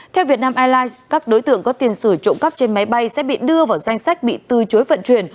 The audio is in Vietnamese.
theo việt nam airlines các đối tượng có tiền sử trộm cắp trên máy bay sẽ bị đưa vào danh sách bị từ chối phận truyền